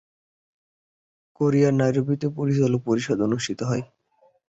কেনিয়ার নাইরোবিতে পরিচালক পরিষদ অনুষ্ঠিত হচ্ছে।